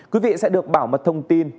quý vị sẽ được bảo mật thông tin